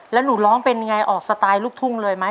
แล้วหนูร้องเป็นไงออกสไตล์ลูกทุ่งเลยไหม